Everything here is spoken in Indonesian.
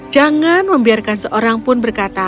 jangan membiarkan seorang pun berkata